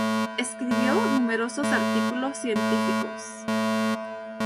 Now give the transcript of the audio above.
Escribió numerosos artículos científicos.